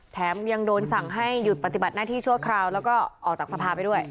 แถมยังโดนสั่งให้หยุดปฏิบัติหน้าที่ชั่วคราวแล้วก็ออกจากสภาไปด้วย